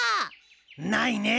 ないねえ。